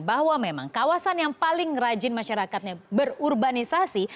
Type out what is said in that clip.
bahwa memang kawasan yang paling rajin masyarakatnya berurbanisasi